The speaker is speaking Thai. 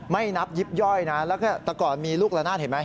ไม่นับยิบย่อยนะแล้วก็แต่ก่อนมีลูกละนาดเห็นไหม